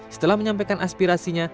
setelah menyampaikan aspirasinya